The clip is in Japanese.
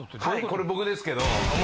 これ僕ですけど。